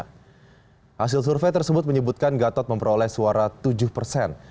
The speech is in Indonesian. hasil survei tersebut menyebutkan gatot memperoleh suara tujuh persen